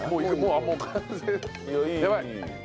やばい！